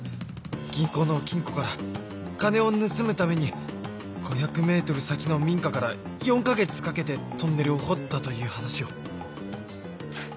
銀行の金庫から金を盗むために ５００ｍ 先の民家から４か月かけてトンネルを掘ったという話を